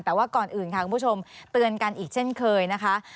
แต่ว่าก่อนอื่นค่ะคุณผู้ชมเตือนกันอีกเช่นเคยนะคะ